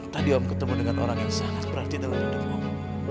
tadi om ketemu dengan orang yang sangat berarti dalam hidupmu